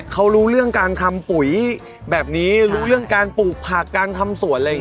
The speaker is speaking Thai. เขารู้เรื่องการทำปุ๋ยแบบนี้รู้เรื่องการปลูกผักการทำสวนอะไรอย่างนี้